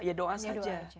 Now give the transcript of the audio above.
ya doa saja